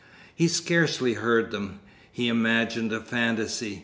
He scarcely heard them. He imagined a fantasy.